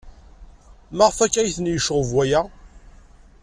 Maɣef akk ay ten-yecɣeb waya?